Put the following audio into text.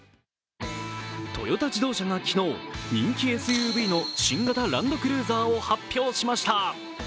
トヨタ自動車が昨日、人気ＳＵＶの新型ランドクルーザーを発表しました。